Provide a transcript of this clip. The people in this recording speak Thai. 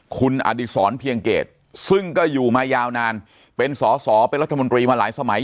คุณอดิษรเพียงเกตซึ่งก็อยู่มายาวนานเป็นสอสอเป็นรัฐมนตรีมาหลายสมัย